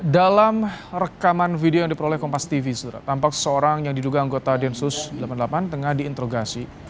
dalam rekaman video yang diperoleh kompas tv tampak seorang yang diduga anggota densus delapan puluh delapan tengah diinterogasi